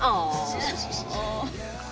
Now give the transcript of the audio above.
apaan sih kamu